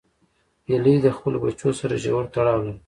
هیلۍ د خپلو بچو سره ژور تړاو لري